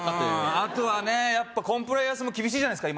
あとはねやっぱコンプライアンスも厳しいじゃないですか